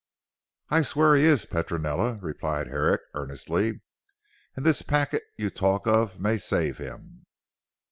"I swear he is Petronella," replied Herrick earnestly, "and this packet you talk of may save him."